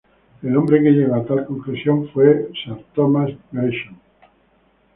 El hombre que llegó a tal conclusión fue sir Thomas Gresham.